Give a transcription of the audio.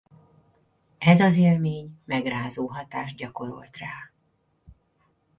Ez az élmény megrázó hatást gyakorolt rá.